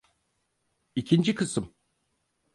İkinci kısım.